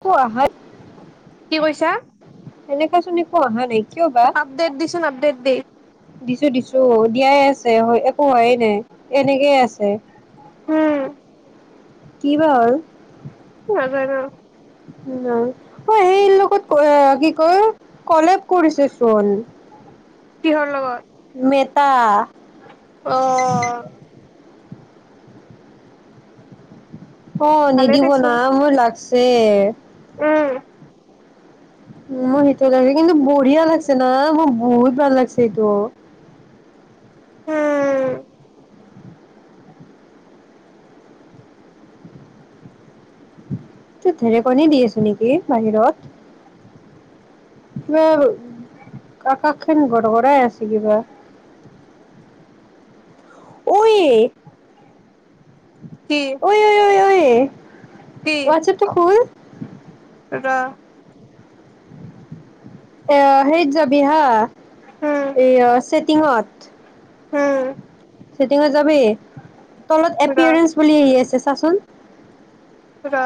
একো আহা কি কৈছা? সেনেকোৱা চোন একো অহা নাই। কিয় আপডেট দিছোন। আপডেট দে। দিছোঁ, দিছোঁ, দিয়াই আছে অ', একো হোৱয়ে নাই। এনেকেই আছে উম। কি বা আৰু? তাৰ পিছত এইটো [unintelligible] এইৰ লগত, কি কয় কলেব কৰিছে চোন। কিহৰ লগত? মেটা। অ'! অ' ভালে নিদিব না, দেচোন মোৰ লাগছে। উম, মই সেইটো [unintelligible] কিন্তু বঢ়িয়া লাগিছে না? মোৰ বহুত ভাল লাগিছে এইটো। উম! এ ঢেৰেকণি দি আছ নেকি বাহিৰত, কিবা আকাশ খন গৰ গৰাই আছে কিবা, ঐ কি ঐ ঐ-ঐ-ঐ। [unintelligible] কি হোৱাটচ এপতো খোল। ৰ। [inaudible] এয়া সেইত যাবি হা। উম, এয়া ছেটিংত। উম, চেটিংত যাবি, তলত ৰ এপিয়াৰেঞ্জ বুলি আহি আছে চা চোন। ৰ।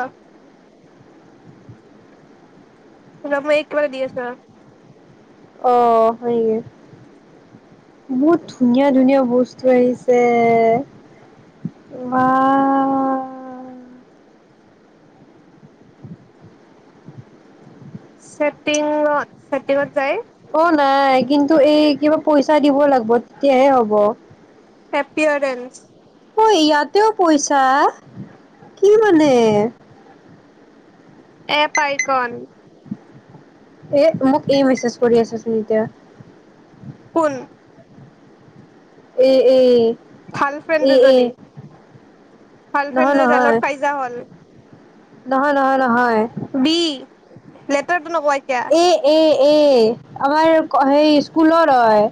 [unintelligible] মই এইক কিবা এটা দি আছো ৰ। অঁ হয় নেকি, বহুত ধুনীয়া- ধুনীয়া বস্তু আহিছে, বা ছেটিঙত-ছেটিঙত যায় অঁ নাই, কিন্তু এই কিবা পইচা দিব লাগে। ব তেতিয়াহে হ'ব। এপিয়াৰেঞ্চ। ঐ ইয়াতেও পইছা, কি মানে। App icon. এ মোক এই মেছেজ কৰি আছেচোন এতিয়া। কোন? এ এ ভাল ফ্ৰেণ্ড এ এ দুজনী, ভাল ফ্ৰেণ্ড নহয় দুজনী নহয় [unintelligible] হ'ল। নহয় নহয়-নহয়, বি লেটাৰটো নকওঁ এতিয়া এ এ- এ আমাৰ সেই স্কুলৰ হয়।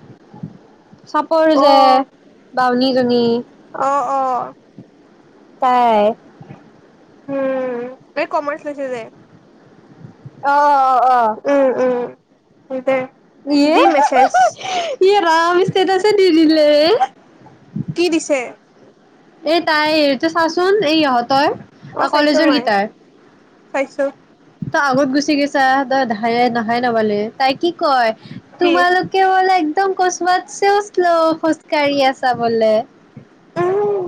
চাপৰ যে বাওনী [unintelligible] অঁ, অঁ। তাই উম, এই কমাৰ্চ লৈছে যে। অঁ অঁ। উম, অঁ দে ইয়ে দি মেছেজ [unintelligible] ইয়ে ৰাম ষ্টেটাছ এ দিদিলে। কি দিছে। এ তাই এইটো চাচোন, এই ইহঁতৰ। অ', অঁ, চাইছো কলেজৰ মই গিটাৰ। চাইছো। তই আগত গুচি গৈছা তইাইে নহাই নবালি তাই কি কয়? কি তোমালোকে বোলে একদম কচ্মৎ চিলচ শ্লো খোজকাঢ়ি আছাবোলে। উম,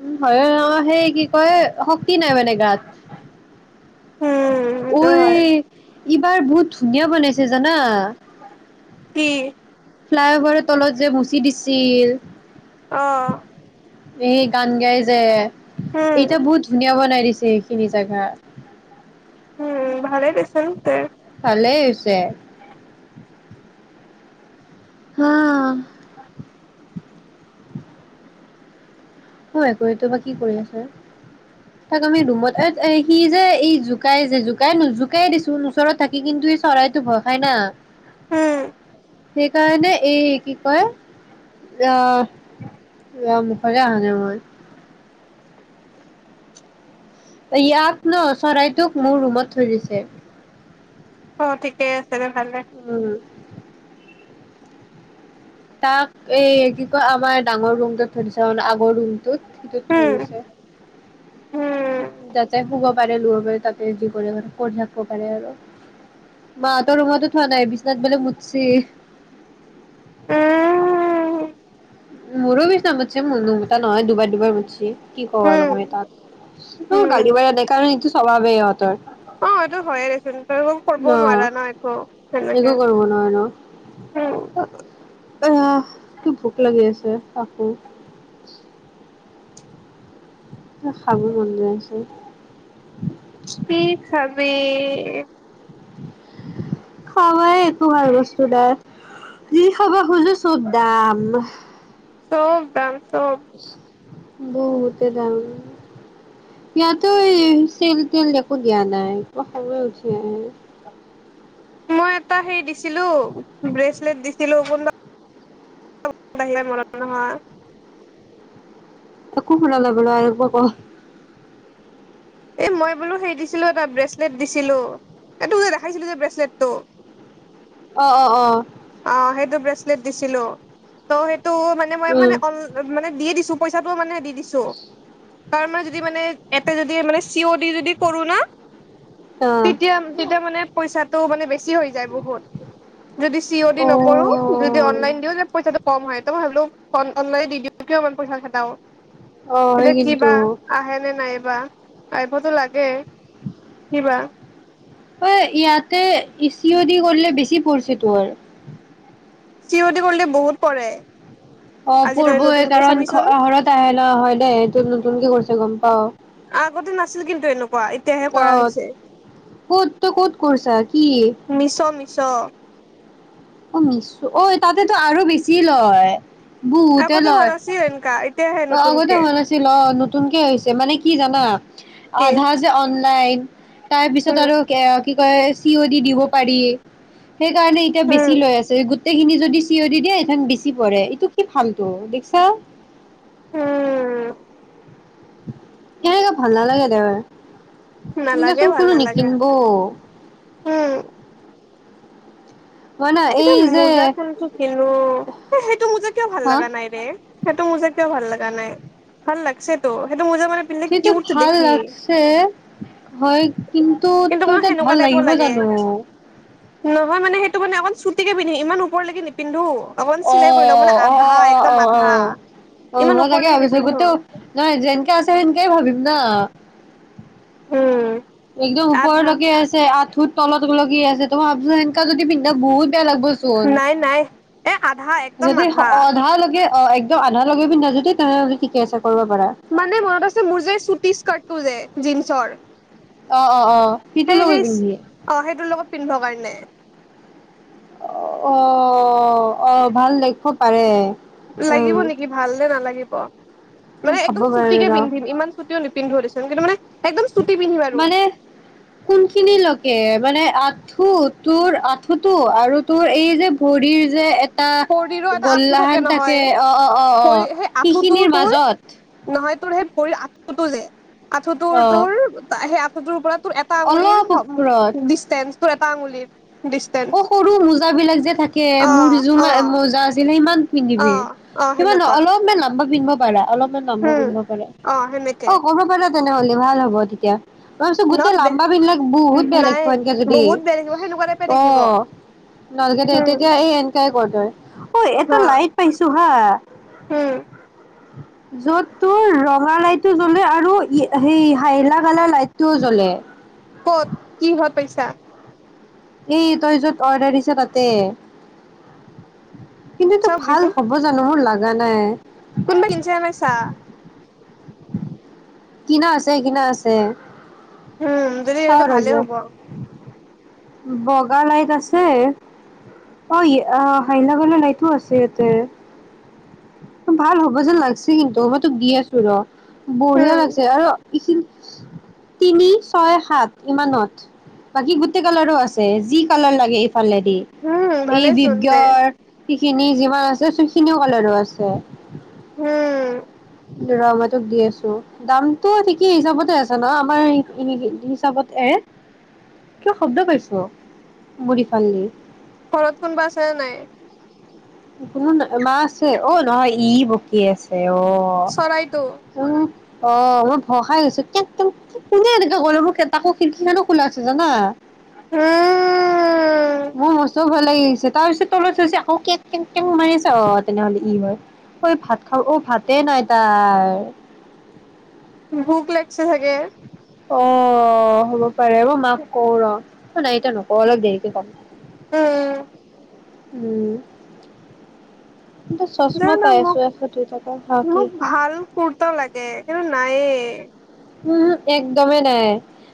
উম', হয় সেই কি কয় শক্তি নাই মানে গাত। উম, সেইটো হয় ওই', এইবাৰ বহুত। ধুনীয়া বনাইছে জানা। কি? ফ্লাই অভাৰৰ তলত যে মচি দিছিল অ', এই গান গাই যে উম, এইতিয়া বহুত ধুনীয়া বনাই দিছিল। যিখিনি জাগা। উম', ভালেই দিছন তে। ভালেই হৈছে ছে [inaudible] হাহ ', হয়। [inaudible] হয় কৰিত বা কি কৰি আচে? তাক আমি ৰুমত এ সি যে এই। জুোকাইছে জোকাই নো জোকাই দিছো ওচৰত থাকি কিন্তু এই চৰাইতো ভয় খাই না। উম', সেইকাৰণে এই কি কয়? আহ', - আহ', মুখলৈ আহা নাই নহয়। য়াত ন। চৰাইটোক মোৰ ৰুমত থৈ দিছে। এক অহ ', ঠিকেই আছে দে। ভালে উম', তাক এই কি কয় আমাৰ ডাঙৰ ৰুমকে থৈ দিছা মানে আগৰ ৰুম। সিটোত উম, ধৰিছে উম, যাতে শুব। পাৰে ল পাৰে তাতে যি কৰে কত থাকিব পাৰে আৰু মাহতৰ ৰুমতো থোৱা নাই বিচনাত বোলে মুতচি। উম ', মোৰো বি। নামছে মনুম এটা নহয় দুবাৰ - দুবাৰ মুতছে কি কওঁ আৰু উম, মই তাত অহ ', উম, গালি ব নাই কাৰণ সটো। স্বভাৱত অ এইটো হয়য়ে দেছিলোন ন সেনেকে একো কৰব নোৱাৰয় ন উম, এয়া কি ভোক লাগি আছে আকৌ খাবু মন যায় আছে। ঠিকিক আাবি খাবাই একো ভাল বস্তু নাই যি খাবা খুজো চব দাম হৌবা অ বহুতে দাম ইয়াতো এই চেল তেল একো দিয়া নাই এক খয় উঠি আহে মই এটা হেৰি দিছিলো ব্ৰেচলেট দিছিলো কোনব বাহৰা মৰা নহা একো ফুৰা ল ব লিব ক এ মই বোলো সেই দিছিলো এটা ব্ৰেচলেট দিছিলো এই তোক যে দেখাইছিলো যে ব্ৰেচলেটটো অ অ অ অ সেইটো দিছিলো ত সেই ত' মানে মই মানে উম মানে দিয়ে দিছো পইচাটো মানে দিছো তাৰ মে যদি মানে এটা যদি মানে চি অ দিি যদি কৰো ন তেতিয়া তেতিয়া মানে পইচাটো মানে ব হৈ যায় বহুত যদি চি অ ডি নকৰো যদি অনলাইন দিও যে পইচাটো কম হয় ত মই ভাবিলো ফ অনলাইনে দি দিওঁ কিয় ইমান পইচা খটাও অ হয় এতিয়া কিন্তু কিবা আহে নে নাইবা আহিবতো লাগে কিবা হয় ইয়াতে ই চি অ দিি কৰিলে বেছি পৰিছে তো আৰু চিৱতি কৰিলে বহুত পৰে আহ আজিকালি পবই নতুনকে কাৰণ চাবিচোন ঘৰত আহে ন হয় দেেই এইটো নতুনকে কৰিছে গম পাও আগতে নাছিল কিন্তু এনেকুৱা এতিয়াহে কৰা আহ হৈছে কত ত কত কৰিছা কি মিছ মিছ অ মিশ অ তাতেতো আৰু বেছি লয় বহুতে আগতে হোৱা লয় নাছিল এনেকা এতিয়াহে অ আগতে নতুনকে হোৱা নাছিল অ নতুনকে হৈছে মানে কি জানা কি আধাৰ যে াইন তাৰ পিছত উম আৰু কি কয় চি অ' দি দিব পাৰি সেইকাৰণে এতিয়া উম বেছি গোটেইখিনি যদি চিঞ দি দিয়ে এইখান বেছি পৰে এইটো কি ফালতটো দেখছা। উম। তেনেকে ভাল নালাগে দে। এনেকা নালাগে চোন ভাল কোনো নালাগে নিকিনবও। না এইজে এই যে মোজা কোনটো কিনো সেইটো মোজা কিয় ভাল হা লগা নাই ৰে? সেইটো মোজা কিও ভাল লগা নাই ভাল লাগছে তো । সেইটো ভাল লাগছে হয় কিন্তু তোৰ অকণ তাত ভাল সেনেকুৱা টাইপৰ লাগিব লাগে জানো? নহয় মানে সেইটো মানে অক চুটি কে পিন্ধিম ইমান ওপৰলৈকে নিপিন্ধো। অকণ অ চিলাই কৰি লওঁ মানে অ আধা অ অ একদম অ অ আধা অ ইমান মই তাকে ওপৰলৈকে ভাবিছো নিপিন্ধো গোটেইও নহয় যেনকে আছে সেনেকেই ভাবিম ন। উম একদম আধা ওপৰলৈকে আছে আঁঠুৰ তলত লগকি আছে। তে ময় ভবছো মেনেকা জদি পিনধা বহুত তেতিয়া লাগিব চোন নাই নাই এ আধা একদম যদি আধা অধাালৈকে অ একদম আধা লগে পিনধা জদি তেনেহ'লে ঠিকে আছে। কৰিব পাৰা মানে মনত আছে মোৰ যে চুটি স্কাৰ্ট টো যে? জিনছৰ অ অ অ সিটো লগত পিন্ধিবি? পিনভ কাৰনে। অ। অ ভাল দেখব পাৰে। উম লাগিব নেকি ভাল নে নালাগিব? মানে ভাবিব একদম চুটি পাৰে কে ৰ পিন্ধিম ইমান চুটিও নিপিন্ধ গেছেন। কিন্তু মানে একদম চুটি পিন্ধিম আৰু মানে কোনখিনি লকে। মানে আঁঠু তোৰ আঁঠুটো আৰু তোৰ এই যে ভৰিৰ যে এটা শৰীৰো এটা আঁঠু গল্লাহান থাকে নহয় অ অ অ অ ভৰি সেই আঁঠুটোৰ সেইখিনিৰ তোৰ মাজত। নহয় তোৰ সেই ভৰি আঁঠোতো যে আঁঠু অ তোৰ তোৰ সেই আঠুতোৰ ওপৰত তোৰ এটা আঙুলিৰ অলপ ওপৰত উিছতেনছ। এটা আঙুলিৰ। ডিচটেন্স অ' সৰু মোজাবিলাক যে থাকে, অ মোৰ অ মোজা আছিলে ইমান অ পিন্ধিবি অ ইমান সেনেকুৱা অলপমান ন পিন্ধিব পাৰা। অলপমান লমবা উম পিন্ধিব পাৰা। অ সেনেকে অঁ কৰিব পাৰা। তেনেহ'লে ভাল হ'ব তেতিয়া। মই ভাবিছো নত গোটেই দে লাম্বা পিন্ধিলে বহুত বেয়া নাই দেখিব এনকে যদি। বহুত বেয়া দেখিব সেনেকুৱা টাইপে দেখিব অ', নালগে দে উম তেতিয়া এই এনেকে ট্রাই কৰ তই। অই এটা অ লাইট পাইছো হা। উম য'ত তোৰ ৰঙা লাইটো জ্বলে আৰু সেই হালধীয়া কালাৰ লাইটটোও জ্বলে। ক'ত কিহত পাইছা। এই তই য'ত অৰ্ডাৰ দিছ তাতে। কিন্তু এইটো ভাল হ'ব জানো মোৰ লাগে। জানে। কোনবা [unintelligible] কিনা আছে, কিনা আছে। উম যদি তেন্তে চাও ৰ ভালে কি হয়। হ'ব বগা লাইট আছে আৰু হালধীয়া কালাৰ লাইটো আছে ইয়াতে। ভাল হ'ব যেন লাগিছে কিন্তু মই তোক দি আছো ৰ। বঢ়িয়া উম লাগছে আৰু ইচ তিনি, ছয়, সাত ইমানত বাকী গোটেই কালাৰো আছে যি কালাৰ লাগে। দি উম এই ভালেই চোন তে বিধৰ কিনি যিমান আছে সিখিনিও কালাৰো আছে। চব। উম'। দু ৰ মই তোক দি আছো, দাম। তো' ঠিকেই হিচাপতে আছে ন আমাৰ। এ হিচাপত এ, কিবা শব্দ পাইছো ভৰি ফালদি ঘৰত কোনবা আছে নে নাই? কোনো নাই, মা আছে অ' নহয় ই বকি আছে। অঁ চৰাইটো উম। অঁ, মই ভই খাই গৈছো কেটম কোনে এনেকে কৰিলে মোৰ তাকো খিৰিকীখনো খোলা আছে জানা। মোৰ মস্ত ভাল। তাৰ পিছত তলত থৈছে। আকৌ কে কেং, কেং মাৰি আছে অ' তেনেহ'লে ই হয়। অ' ভাত খাব অ' ভাতে নাই তাৰ। ভোক লাগছে চাগে। অ হ'ব। পাৰে মই মাক কওঁ ৰ'। অঁ নাই এতিয়া নকওঁ অলপ দেৰিকে কম। উম' এটা চশমা জানো পাই আছো মোক এশ দুই টকা, হা কি এনেও নাই এ উহু একদমেই নাই,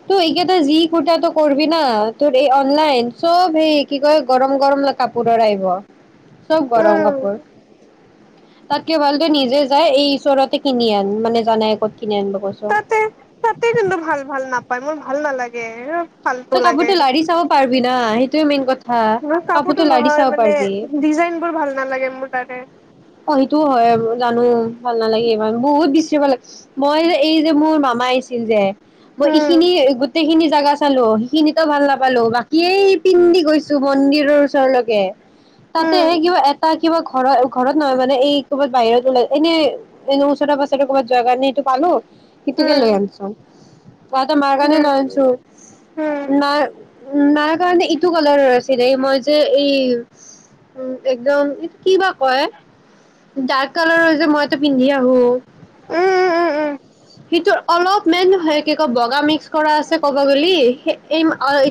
তই এইকেইটা যি কুৰ্তা টো কৰিবি না তোৰ এই অনলাইন চব সেই কি কয় গৰম গৰম কাপোৰৰ আহিব। চব গৰম উম কাপোৰ। তাত কি ভাল তই নিজে যাই এই ওচৰতে কিনি আন মানে জানাই কত কিনি আনিব কৈছো। তা তাতে কিন্তু ভাল ভাল নাপায় মোৰ ভাল নালাগে হ তই কাপোৰটো লাৰি চাব পাৰবি বিনা, সেইটোয়ে মেইন কথা। মই কাপোৰটো লাৰি নহয় চাব মানে পাৰবি ডিজাইন বোৰ ভাল নালাগে মোৰ তাতে। অঁ সেইটোও হয় জানো। ভাল নালাগে ইমান বহুত বেছি লাগ মই যে এই যে মোৰ মামা আহিছিল যে মই উম এইখিনি গোট গোটেইখিনি জাগা চালো সেইখিনোটো ভাল নাপালো, বাকী এই পিন্ধি গৈছো মন্দিৰৰ ওচৰলৈকে তাতে উম সেই কিবা এটা কিবা ঘৰৰ ঘৰত নহয় মানে এই ক'ৰবাত বাহিৰত ওলাই এনে এনে ওচৰে পাজৰে ক'ৰবাত যোৱাৰ কাৰণে এইটো পালো। সেইটোকে উম লৈ আনছো। [unintelligible] মাৰ কাৰণে উম লৈ আনছো, উম নাই উ মাৰ কাৰণে ইটো কালাৰ ৰ আছিলেই মই যে এই উ একদম কি বা কয় ডাৰ্ক কালাৰৰ যে মই এটা পিন্ধি আহোঁ। উম উম উম সিটো অলপ মেইন কি ক বগা মিক্স কৰা আছে ক'ব গ'লি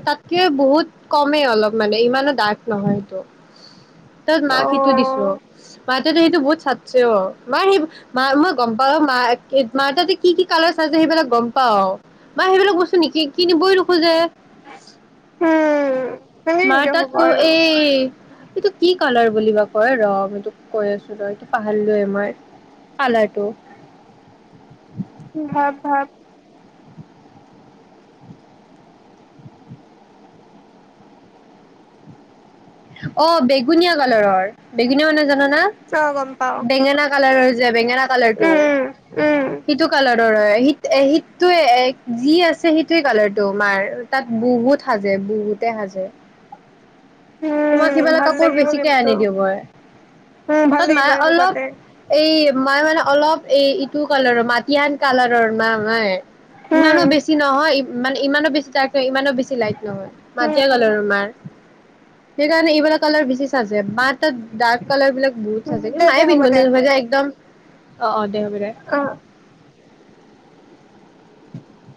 তাতকে বহুত কমেই অলপ মানে ইমানো ডাৰ্ক নহয় সটো তাত মাক অ সেইটো দিছো অ মাতে সেইটো বহুত চাতছে অ মা সেই মা মই গম পাওঁ অ মা মা ততে কি কি কালাৰ চাইছে সেইবিলাক গম পাও অ মা সেইবিলাক বস্তু নিকি কিনিবই নোখোজে উম মা সেনেকে তাত হ'ব ক আৰু এ এইটো কি কালাৰ বুলি বা কয় ৰ এইটো কৈ আছো ৰ এইটো পাহাৰলো এ মই কালাৰটো ভাব ভাব অ বেগুনীয়া কালৰৰ বেগুনে মানে জানানা অ গম পাও বেঙেনা কালাৰৰ যে বেঙেনা কালাৰটো উম উম সিটো কালাৰৰ হয়ীত শীতটো যি আছে সেইটোৱে কালাৰটো মাৰ তাত বহুত সাজে বহুতে সাজে তোমাক উম সিফালে ভাল কাপোৰ লাগিব বেছিকে কিন্তু আনি দিওঁ মই উম ভাল ত লাগিব মে সেনেকুৱাতে অলপ এই। মই মানে অলপ এই ইটো কালাৰৰ মাটান কালাৰৰ মা হয়। ইমানো উম বেছি নহয়। মানে ইমানো বেছি তাত। ইমানো বেছি লাইট নহয় মতিয়া কালাৰ আৰু মাৰ। সেইকাৰণে ইবাৰ। কাল বেচি চাজে ডাৰ্ক কালাৰ বিলাক বহুত উম চ কিু দে দে মায়ে হ'ব বিন্ধ দে নহয় যে একদম অ অ দে হ'ব দে অ [unintelligible]